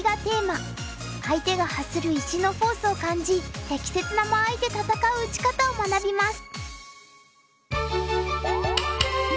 相手が発する石のフォースを感じ適切な間合いで戦う打ち方を学びます。